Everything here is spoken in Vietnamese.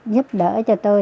giúp đỡ cho tôi